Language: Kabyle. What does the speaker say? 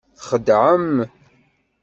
Txedɛem.